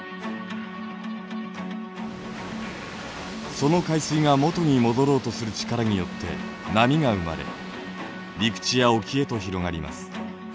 その海水が元に戻ろうとする力によって波が生まれ陸地や沖へと広がります。